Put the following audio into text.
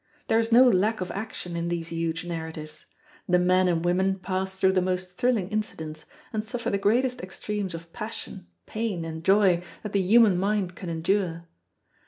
There is no lack of action in these huge narratives: the men and women pass through the most thrilling incidents, and suffer the greatest extremes of passion, pain, and joy that the human mind can endure.